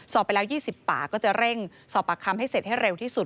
สอบไปแล้ว๒๐ปากก็จะเร่งสอบปากคำให้เสร็จให้เร็วที่สุด